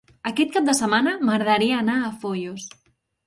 Aquest cap de setmana m'agradaria anar a Foios.